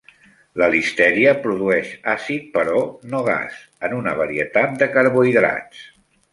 La "listèria" produeix àcid, però no gas, en una varietat de carbohidrats.